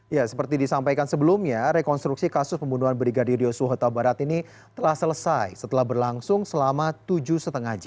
ya seperti disampaikan sebelumnya rekonstruksi kasus pembunuhan brigadir yosua huta barat ini telah selesai setelah berlangsung selama tujuh lima jam